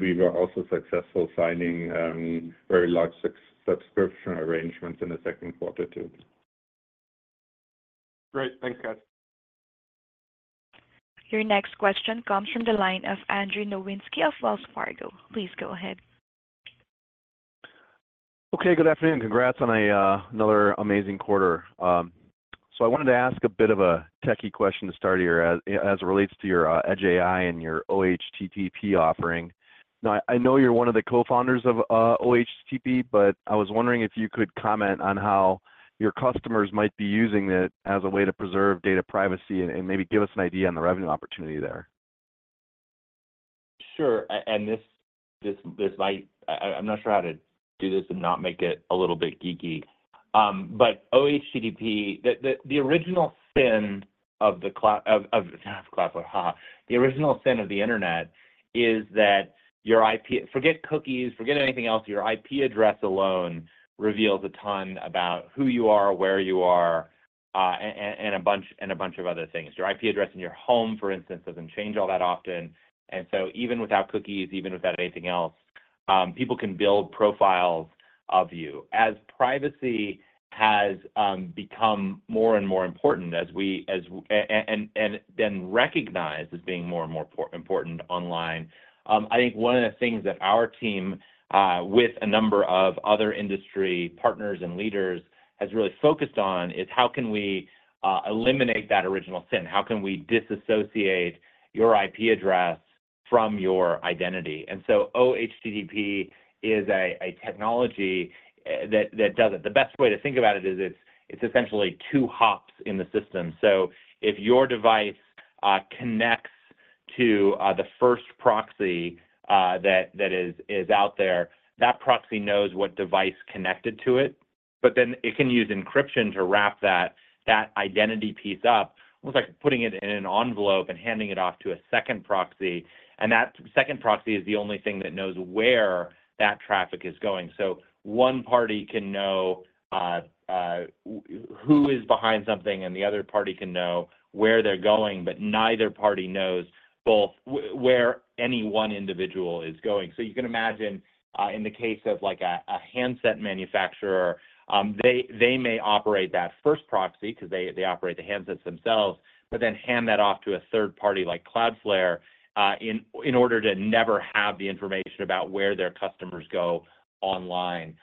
we were also successful signing very large subscription arrangements in the second quarter too. Great. Thanks, guys. Your next question comes from the line of Andrew Nowinski of Wells Fargo. Please go ahead. Okay. Good afternoon. Congrats on another amazing quarter. I wanted to ask a bit of a techie question to start here as it relates to your edge AI and your OHTTP offering. Now, I know you're one of the co-founders of OHTTP, but I was wondering if you could comment on how your customers might be using it as a way to preserve data privacy and maybe give us an idea on the revenue opportunity there. Sure. And this might, I'm not sure how to do this and not make it a little bit geeky. But OHTTP, the original sin of the internet is that your IP, forget cookies, forget anything else. Your IP address alone reveals a ton about who you are, where you are, and a bunch of other things. Your IP address in your home, for instance, doesn't change all that often. And so even without cookies, even without anything else, people can build profiles of you. As privacy has become more and more important and been recognized as being more and more important online, I think one of the things that our team, with a number of other industry partners and leaders, has really focused on is how can we eliminate that original sin? How can we disassociate your IP address from your identity? And so OHTTP is a technology that does it. The best way to think about it is it's essentially two hops in the system. So if your device connects to the first proxy that is out there, that proxy knows what device connected to it, but then it can use encryption to wrap that identity piece up, almost like putting it in an envelope and handing it off to a second proxy. And that second proxy is the only thing that knows where that traffic is going. So one party can know who is behind something, and the other party can know where they're going, but neither party knows where any one individual is going. So you can imagine, in the case of a handset manufacturer, they may operate that first proxy because they operate the handsets themselves, but then hand that off to a third party like Cloudflare in order to never have the information about where their customers go online.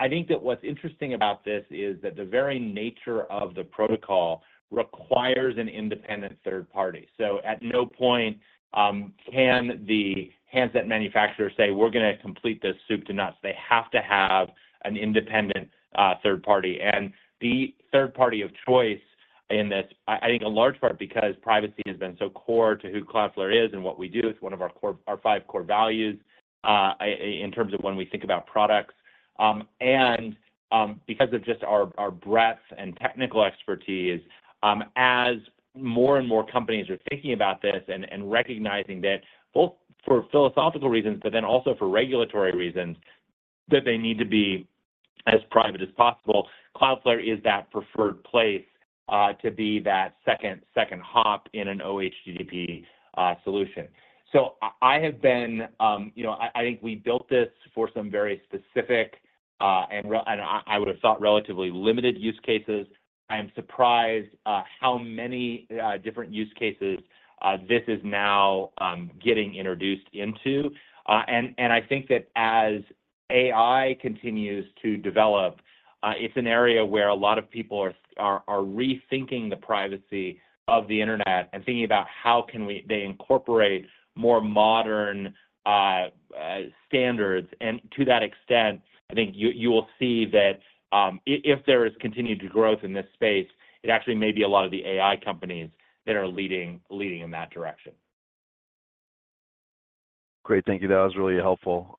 I think that what's interesting about this is that the very nature of the protocol requires an independent third party. So at no point can the handset manufacturer say, "We're going to complete this soup to nuts." They have to have an independent third party. And the third party of choice in this, I think, in large part because privacy has been so core to who Cloudflare is and what we do. It's one of our five core values in terms of when we think about products. Because of just our breadth and technical expertise, as more and more companies are thinking about this and recognizing that both for philosophical reasons, but then also for regulatory reasons, that they need to be as private as possible, Cloudflare is that preferred place to be that second hop in an OHTTP solution. So I have been. I think we built this for some very specific and I would have thought relatively limited use cases. I am surprised how many different use cases this is now getting introduced into. I think that as AI continues to develop, it's an area where a lot of people are rethinking the privacy of the internet and thinking about how can they incorporate more modern standards. And to that extent, I think you will see that if there is continued growth in this space, it actually may be a lot of the AI companies that are leading in that direction. Great. Thank you. That was really helpful.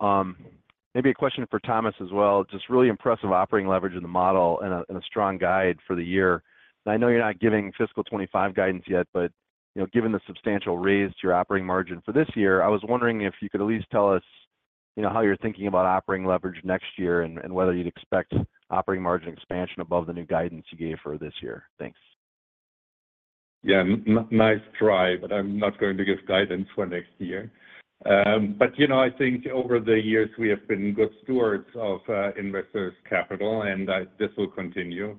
Maybe a question for Thomas as well. Just really impressive operating leverage in the model and a strong guide for the year. And I know you're not giving fiscal 2025 guidance yet, but given the substantial raise to your operating margin for this year, I was wondering if you could at least tell us how you're thinking about operating leverage next year and whether you'd expect operating margin expansion above the new guidance you gave for this year. Thanks. Yeah. Nice try, but I'm not going to give guidance for next year. But I think over the years, we have been good stewards of investors' capital, and this will continue.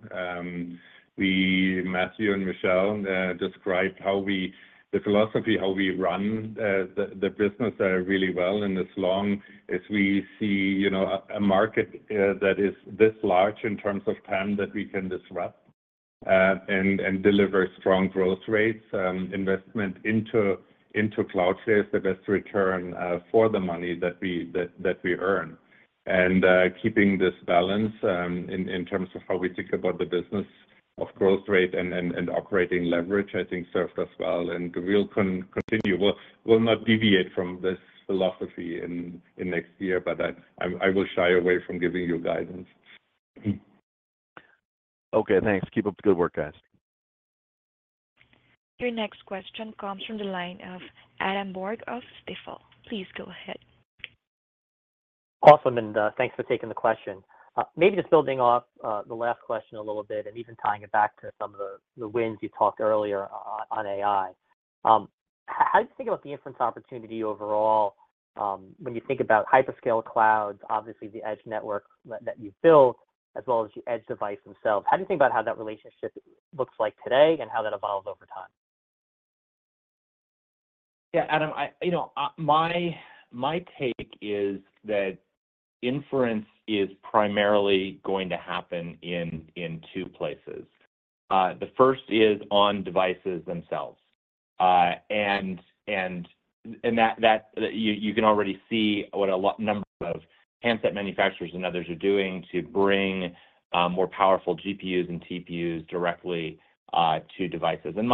Matthew and Michelle described how we—the philosophy, how we run the business really well in this long as we see a market that is this large in terms of time that we can disrupt and deliver strong growth rates. Investment into Cloudflare is the best return for the money that we earn. And keeping this balance in terms of how we think about the business of growth rate and operating leverage, I think, served us well. And we'll continue. We'll not deviate from this philosophy in next year, but I will shy away from giving you guidance. Okay. Thanks. Keep up the good work, guys. Your next question comes from the line of Adam Borg of Stifel. Please go ahead. Awesome. And thanks for taking the question. Maybe just building off the last question a little bit and even tying it back to some of the wins you talked earlier on AI. How do you think about the inference opportunity overall when you think about hyperscale clouds, obviously the edge network that you've built, as well as the edge device themselves? How do you think about how that relationship looks like today and how that evolves over time? Yeah, Adam, my take is that inference is primarily going to happen in two places. The first is on devices themselves. And you can already see what a number of handset manufacturers and others are doing to bring more powerful GPUs and TPUs directly to devices. And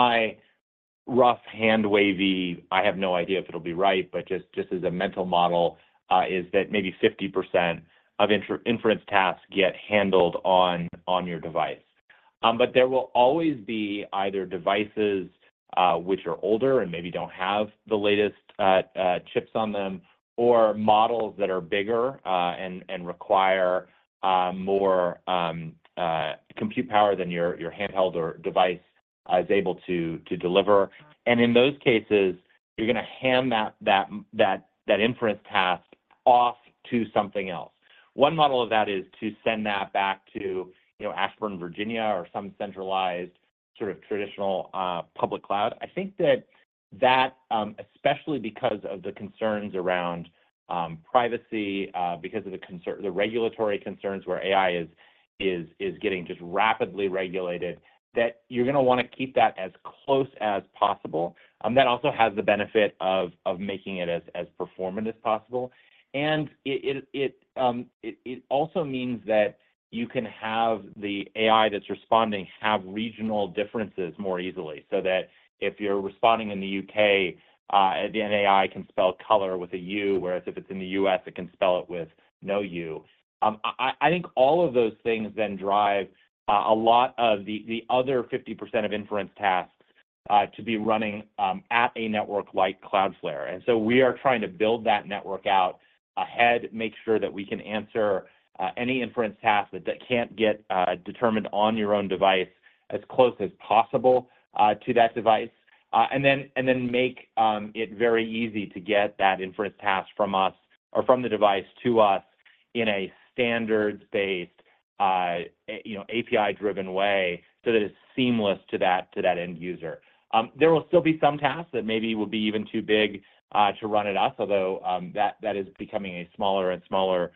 my rough hand-wavy - I have no idea if it'll be right, but just as a mental model - is that maybe 50% of inference tasks get handled on your device. But there will always be either devices which are older and maybe don't have the latest chips on them or models that are bigger and require more compute power than your handheld or device is able to deliver. And in those cases, you're going to hand that inference task off to something else. One model of that is to send that back to Ashburn, Virginia, or some centralized sort of traditional public cloud. I think that that, especially because of the concerns around privacy, because of the regulatory concerns where AI is getting just rapidly regulated, that you're going to want to keep that as close as possible. That also has the benefit of making it as performant as possible. And it also means that you can have the AI that's responding have regional differences more easily so that if you're responding in the U.K., an AI can spell color with a U, whereas if it's in the U.S., it can spell it with no U. I think all of those things then drive a lot of the other 50% of inference tasks to be running at a network like Cloudflare. And so we are trying to build that network out ahead, make sure that we can answer any inference task that can't get determined on your own device as close as possible to that device, and then make it very easy to get that inference task from us or from the device to us in a standards-based API-driven way so that it's seamless to that end user. There will still be some tasks that maybe will be even too big to run at us, although that is becoming a smaller and smaller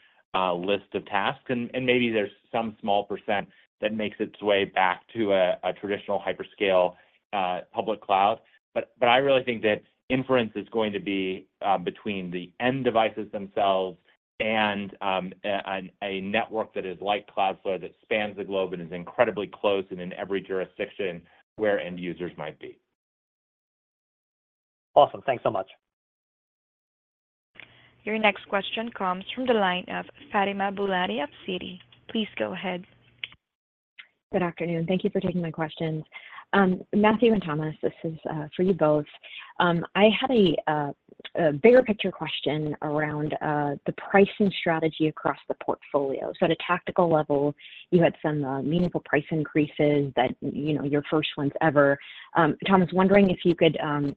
list of tasks. And maybe there's some small % that makes its way back to a traditional hyperscale public cloud. But I really think that inference is going to be between the end devices themselves and a network that is like Cloudflare that spans the globe and is incredibly close and in every jurisdiction where end users might be. Awesome. Thanks so much. Your next question comes from the line of Fatima Boolani of Citi. Please go ahead. Good afternoon. Thank you for taking my questions. Matthew and Thomas, this is for you both. I had a bigger picture question around the pricing strategy across the portfolio. So at a tactical level, you had some meaningful price increases, your first ones ever. Thomas, wondering if you could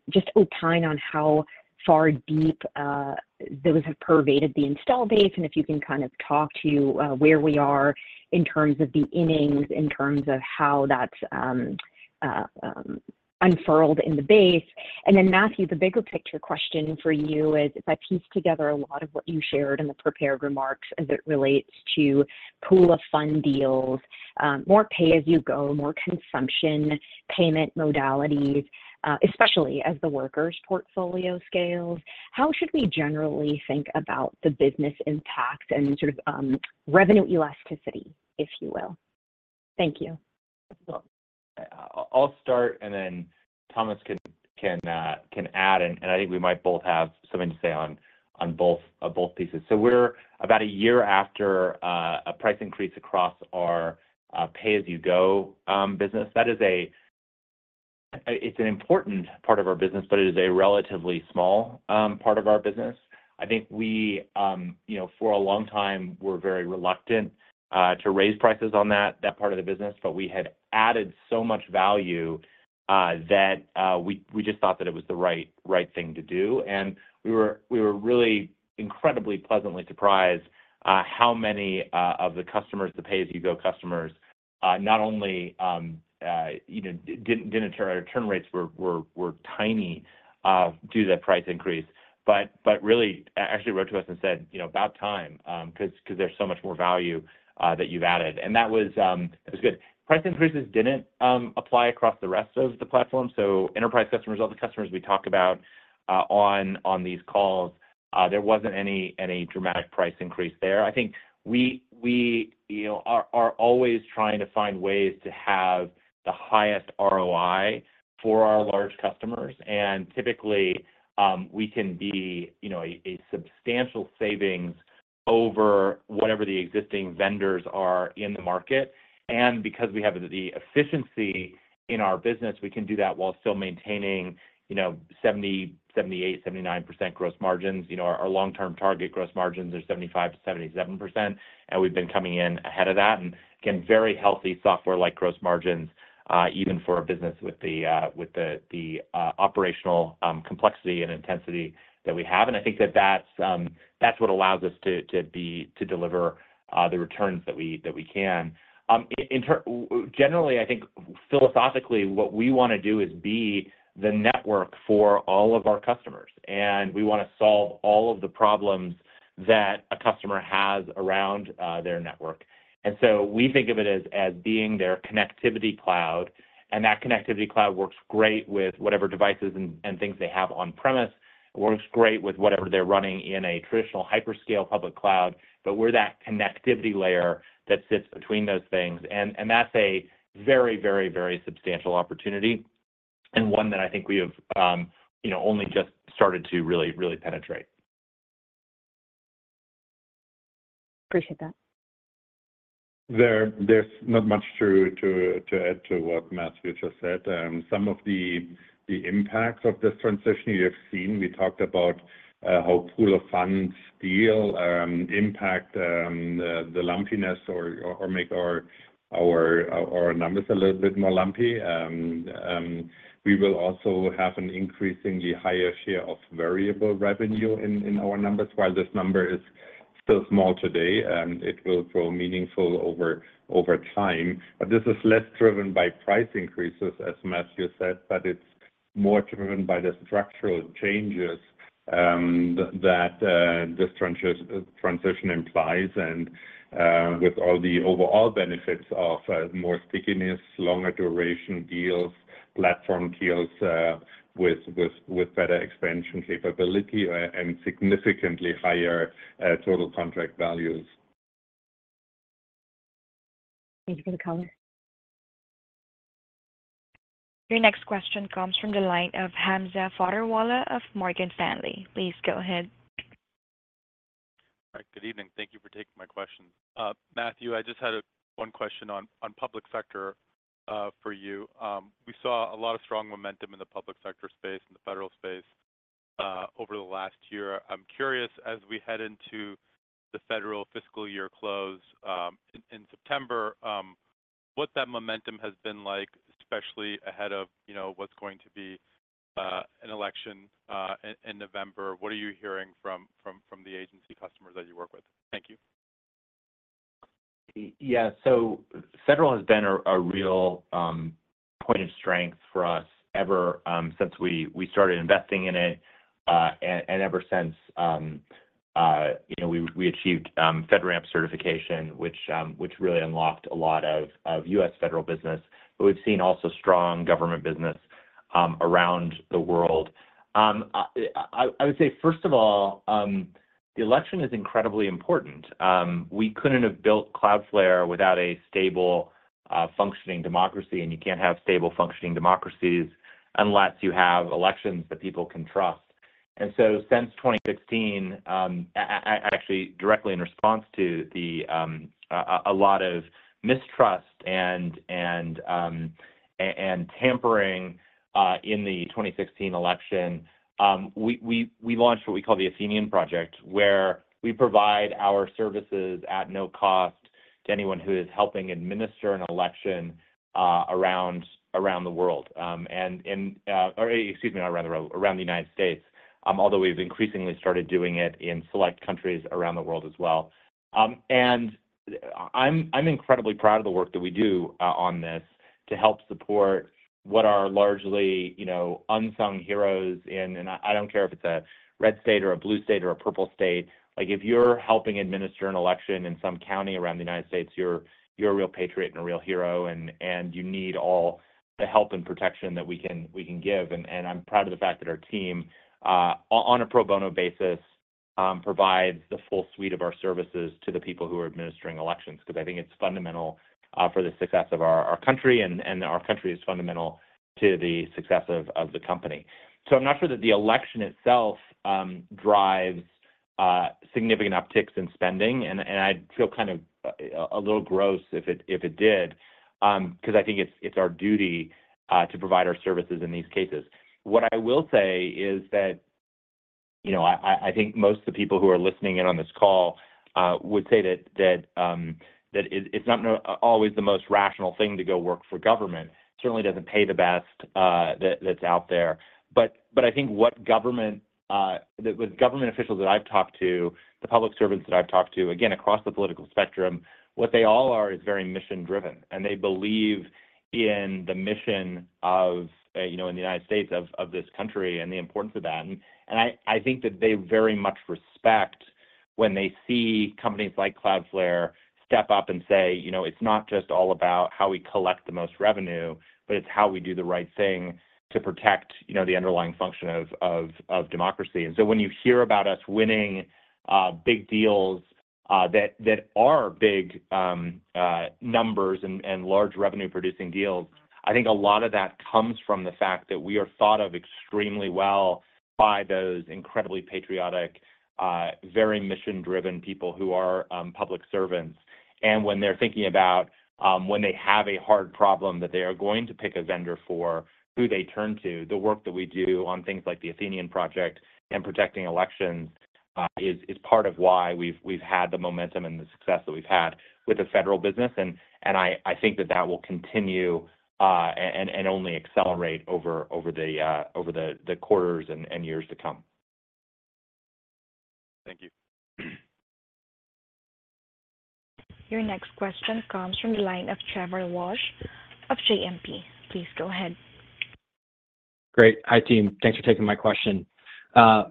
just opine on how far deep those have pervaded the install base and if you can kind of talk to where we are in terms of the innings, in terms of how that's unfurled in the base. And then Matthew, the bigger picture question for you is, if I piece together a lot of what you shared in the prepared remarks as it relates to pool-of-funds deals, more pay-as-you-go, more consumption payment modalities, especially as the Workers portfolio scales, how should we generally think about the business impact and sort of revenue elasticity, if you will? Thank you. I'll start, and then Thomas can add. And I think we might both have something to say on both pieces. So we're about a year after a price increase across our pay-as-you-go business. It's an important part of our business, but it is a relatively small part of our business. I think we, for a long time, were very reluctant to raise prices on that part of the business, but we had added so much value that we just thought that it was the right thing to do. And we were really incredibly pleasantly surprised how many of the customers, the pay-as-you-go customers, not only didn't return, our return rates were tiny due to that price increase, but really actually wrote to us and said, "About time," because there's so much more value that you've added. And that was good. Price increases didn't apply across the rest of the platform. So enterprise customers, all the customers we talk about on these calls, there wasn't any dramatic price increase there. I think we are always trying to find ways to have the highest ROI for our large customers. And typically, we can be a substantial savings over whatever the existing vendors are in the market. And because we have the efficiency in our business, we can do that while still maintaining 78%, 79% gross margins. Our long-term target gross margins are 75%-77%, and we've been coming in ahead of that. And again, very healthy software-like gross margins, even for a business with the operational complexity and intensity that we have. And I think that that's what allows us to deliver the returns that we can. Generally, I think philosophically, what we want to do is be the network for all of our customers. And we want to solve all of the problems that a customer has around their network. And so we think of it as being their connectivity cloud. And that connectivity cloud works great with whatever devices and things they have on-premise. It works great with whatever they're running in a traditional hyperscale public cloud, but we're that connectivity layer that sits between those things. And that's a very, very, very substantial opportunity and one that I think we have only just started to really, really penetrate. Appreciate that. There's not much to add to what Matthew just said. Some of the impacts of this transition you have seen, we talked about how pool-of-funds deal impact the lumpiness or make our numbers a little bit more lumpy. We will also have an increasingly higher share of variable revenue in our numbers. While this number is still small today, it will grow meaningful over time. This is less driven by price increases, as Matthew said, but it's more driven by the structural changes that this transition implies and with all the overall benefits of more stickiness, longer duration deals, platform deals with better expansion capability, and significantly higher total contract values. Thank you for the color. Your next question comes from the line of Hamza Fodderwala of Morgan Stanley. Please go ahead. All right. Good evening. Thank you for taking my questions. Matthew, I just had one question on public sector for you. We saw a lot of strong momentum in the public sector space and the federal space over the last year. I'm curious, as we head into the federal fiscal year close in September, what that momentum has been like, especially ahead of what's going to be an election in November. What are you hearing from the agency customers that you work with? Thank you. Yeah. So federal has been a real point of strength for us ever since we started investing in it and ever since we achieved FedRAMP certification, which really unlocked a lot of U.S. federal business. But we've seen also strong government business around the world. I would say, first of all, the election is incredibly important. We couldn't have built Cloudflare without a stable functioning democracy. And you can't have stable functioning democracies unless you have elections that people can trust. And so since 2016, actually directly in response to a lot of mistrust and tampering in the 2016 election, we launched what we call the Athenian Project, where we provide our services at no cost to anyone who is helping administer an election around the world. Excuse me, not around the world, around the United States, although we've increasingly started doing it in select countries around the world as well. I'm incredibly proud of the work that we do on this to help support what are largely unsung heroes in, and I don't care if it's a red state or a blue state or a purple state. If you're helping administer an election in some county around the United States, you're a real patriot and a real hero, and you need all the help and protection that we can give. I'm proud of the fact that our team, on a pro bono basis, provides the full suite of our services to the people who are administering elections because I think it's fundamental for the success of our country, and our country is fundamental to the success of the company. So I'm not sure that the election itself drives significant upticks in spending. And I'd feel kind of a little gross if it did because I think it's our duty to provide our services in these cases. What I will say is that I think most of the people who are listening in on this call would say that it's not always the most rational thing to go work for government. Certainly doesn't pay the best that's out there. But I think what government officials that I've talked to, the public servants that I've talked to, again, across the political spectrum, what they all are is very mission-driven. And they believe in the mission in the United States of this country and the importance of that. I think that they very much respect when they see companies like Cloudflare step up and say, "It's not just all about how we collect the most revenue, but it's how we do the right thing to protect the underlying function of democracy." So when you hear about us winning big deals that are big numbers and large revenue-producing deals, I think a lot of that comes from the fact that we are thought of extremely well by those incredibly patriotic, very mission-driven people who are public servants. When they're thinking about when they have a hard problem that they are going to pick a vendor for, who they turn to, the work that we do on things like the Athenian Project and protecting elections is part of why we've had the momentum and the success that we've had with the federal business. I think that that will continue and only accelerate over the quarters and years to come. Thank you. Your next question comes from the line of Trevor Walsh of JMP. Please go ahead. Great. Hi, team. Thanks for taking my question.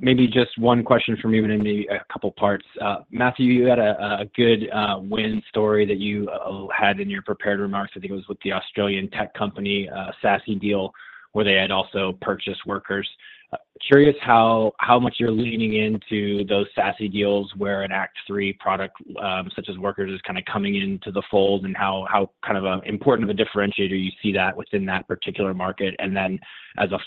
Maybe just one question from you, but in maybe a couple of parts. Matthew, you had a good win story that you had in your prepared remarks. I think it was with the Australian tech company, SASE deal, where they had also purchased Workers. Curious how much you're leaning into those SASE deals where an Act III product such as Workers is kind of coming into the fold and how kind of important of a differentiator you see that within that particular market. And then as a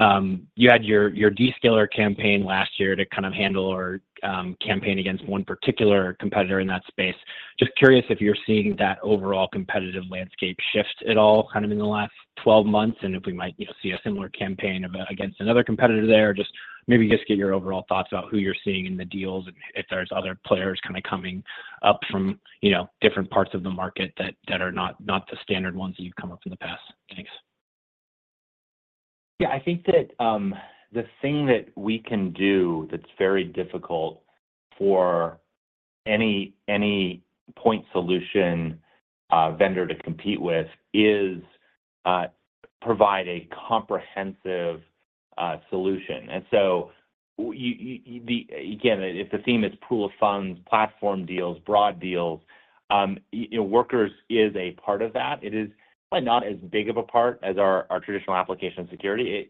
follow-up, you had your Descaler campaign last year to kind of handle or campaign against one particular competitor in that space. Just curious if you're seeing that overall competitive landscape shift at all kind of in the last 12 months and if we might see a similar campaign against another competitor there. Just maybe just get your overall thoughts about who you're seeing in the deals and if there's other players kind of coming up from different parts of the market that are not the standard ones that you've come up with in the past. Thanks. Yeah. I think that the thing that we can do that's very difficult for any point solution vendor to compete with is provide a comprehensive solution. And so again, if the theme is pool-of-funds, platform deals, broad deals, Workers is a part of that. It is probably not as big of a part as our traditional application security.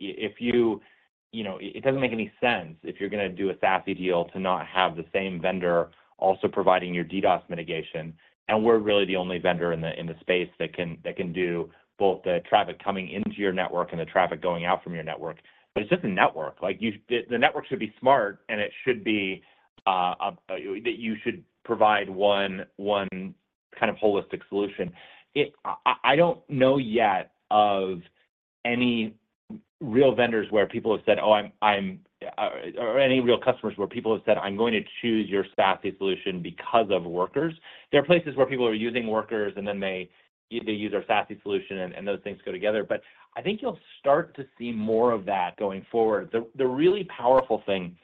It doesn't make any sense if you're going to do a SASE deal to not have the same vendor also providing your DDoS mitigation. And we're really the only vendor in the space that can do both the traffic coming into your network and the traffic going out from your network. But it's just a network. The network should be smart, and it should be that you should provide one kind of holistic solution. I don't know yet of any real vendors where people have said, "Oh, I'm " or any real customers where people have said, "I'm going to choose your SASE solution because of Workers." There are places where people are using Workers, and then they either use our SASE solution, and those things go together. But I think you'll start to see more of that going forward. The really powerful thing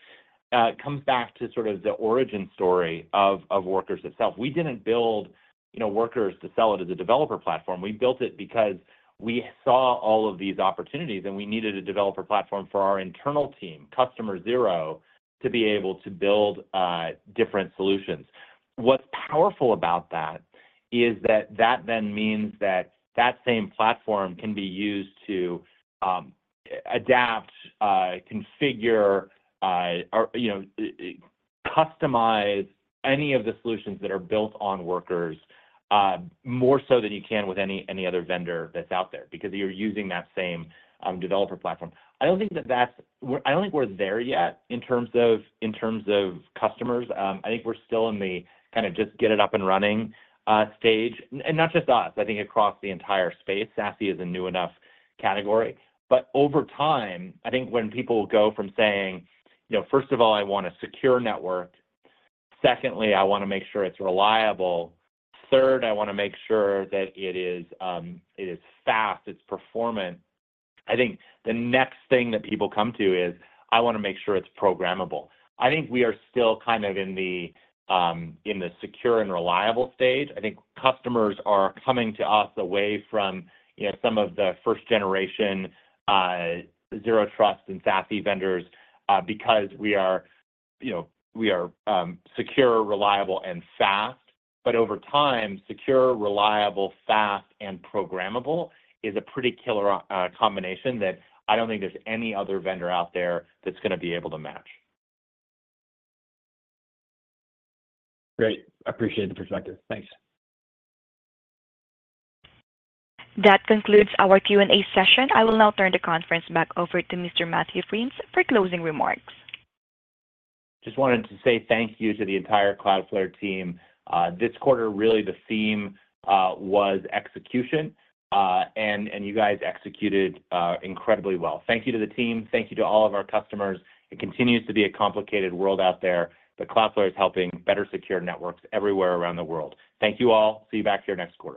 comes back to sort of the origin story of Workers itself. We didn't build Workers to sell it as a developer platform. We built it because we saw all of these opportunities, and we needed a developer platform for our internal team, Customer Zero, to be able to build different solutions. What's powerful about that is that that then means that that same platform can be used to adapt, configure, or customize any of the solutions that are built on Workers more so than you can with any other vendor that's out there because you're using that same developer platform. I don't think that's. I don't think we're there yet in terms of customers. I think we're still in the kind of just get it up and running stage. And not just us. I think across the entire space, SASE is a new enough category. But over time, I think when people go from saying, "First of all, I want a secure network. Secondly, I want to make sure it's reliable. Third, I want to make sure that it is fast. It's performant." I think the next thing that people come to is, "I want to make sure it's programmable." I think we are still kind of in the secure and reliable stage. I think customers are coming to us away from some of the first-generation Zero Trust and SASE vendors because we are secure, reliable, and fast. But over time, secure, reliable, fast, and programmable is a pretty killer combination that I don't think there's any other vendor out there that's going to be able to match. Great. I appreciate the perspective. Thanks. That concludes our Q&A session. I will now turn the conference back over to Mr. Matthew Prince for closing remarks. Just wanted to say thank you to the entire Cloudflare team. This quarter, really, the theme was execution, and you guys executed incredibly well. Thank you to the team. Thank you to all of our customers. It continues to be a complicated world out there, but Cloudflare is helping better secure networks everywhere around the world. Thank you all. See you back here next quarter.